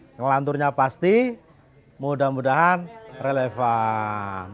yang lanturnya pasti mudah mudahan relevan